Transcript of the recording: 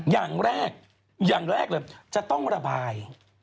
อย่างแรกอย่างแรกเลยจะต้องระบาย